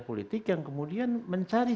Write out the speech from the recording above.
politik yang kemudian mencari